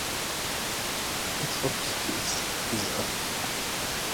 Its opposite is affirmative design: design that reinforces the status quo.